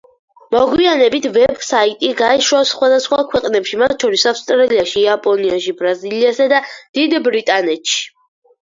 მოგვიანებით ვებსაიტი გაეშვა სხვადასხვა ქვეყნებში, მათ შორის ავსტრალიაში, იაპონიაში, ბრაზილიასა და დიდ ბრიტანეთში.